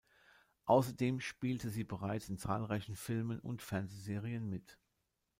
Außerdem spielte sie bereits in zahlreichen Filmen und Fernsehserien mit.